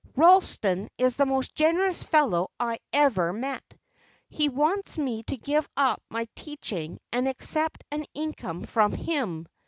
Ralston is the most generous fellow I ever met; he wants me to give up my teaching and accept an income from him.